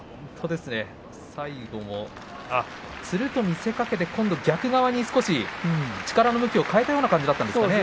最後も、つると見せかけて逆側に少し力の向きを変えたような形だったんですかね。